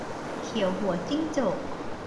เขียวหัวจิ้งจก